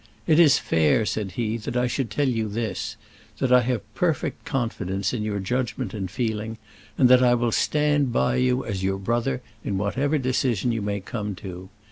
"It is fair," said he, "that I should tell you this: that I have perfect confidence in your judgment and feeling; and that I will stand by you as your brother in whatever decision you may come to.